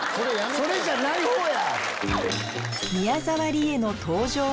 それじゃないほうや！